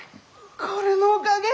これのおかげ？